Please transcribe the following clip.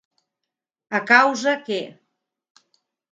A causa que.